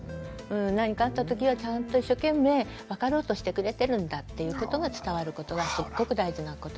何かあったときはちゃんと一生懸命分かろうとしてくれてるんだっていうことが伝わることがすっごく大事なことで。